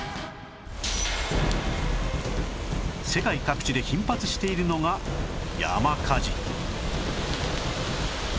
世界各地で頻発しているのが山火事